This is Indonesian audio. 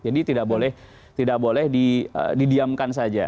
jadi tidak boleh tidak boleh didiamkan saja